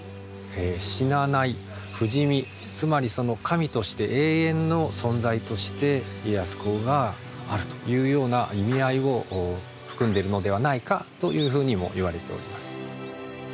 死なない不死身つまり神として永遠の存在として家康公があるというような意味合いを含んでるのではないかというふうにもいわれております。